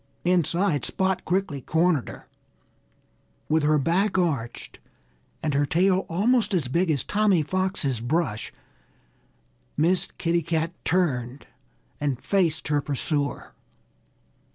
Inside Spot quickly cornered her. With her back arched and her tail almost as big as Tommy Fox's brush, Miss Kitty Cat turned and faced her pursuer.